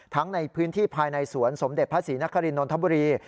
ในพื้นที่ภายในสวนสมเด็จพระศรีนครินนทบุรี